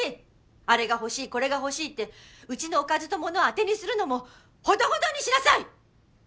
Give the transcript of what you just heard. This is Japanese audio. あれが欲しいこれが欲しいってうちのおかずと物を当てにするのもほどほどにしなさい！